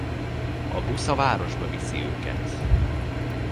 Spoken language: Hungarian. A busz a városba viszi őket.